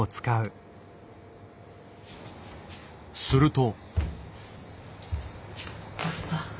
すると。